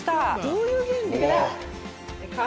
どういう原理？